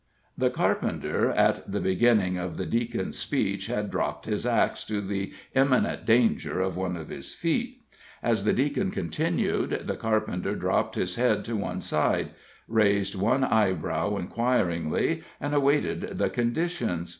The carpenter, at the beginning of the Deacon's speech, had dropped his axe, to the imminent danger of one of his feet. As the Deacon continued, the carpenter dropped his head to one side, raised one eye brow inquiringly, and awaited the conditions.